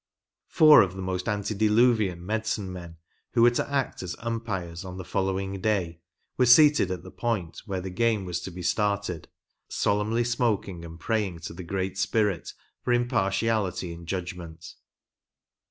Four of the most antediluvian medicine men who were to act as umpires on the following day, were seated at the point .vhere the game was to be started, solemnly smoking and praying to the Great Spirit for impartiality in judgment.